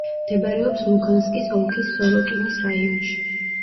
მდებარეობს ლუგანსკის ოლქის სოროკინის რაიონში.